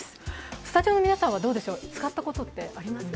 スタジオの皆さんは使ったことってありますか？